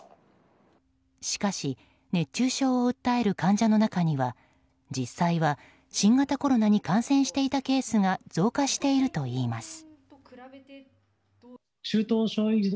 しかし熱中症を訴える患者の中には実際は新型コロナに感染していたケースが増加しているといいます。